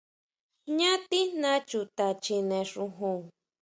Jñá tijna chuta chjine xujun.